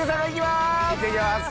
いってきます！